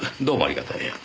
どうもありがとう。